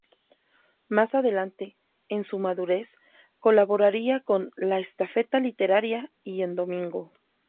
Más adelante, en su madurez, colaboraría con "La Estafeta Literaria" y en "Domingo".